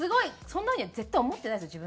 そんな風には絶対思ってないんですよ